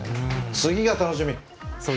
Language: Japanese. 次が楽しみ。